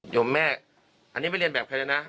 ยมแม่อันนี้ไม่เรียนแบบใครแล้วนะ